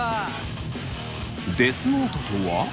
デスノートとは？